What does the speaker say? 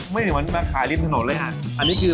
เหมือนมาขายริมถนนเลยฮะ